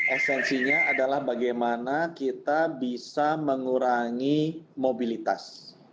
esensinya adalah bagaimana kita bisa mengurangi mobilitas